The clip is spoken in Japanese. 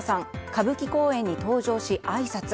歌舞伎公演に登場し、あいさつ。